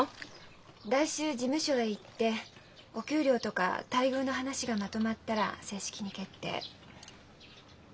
来週事務所へ行ってお給料とか待遇の話がまとまったら正式に決定。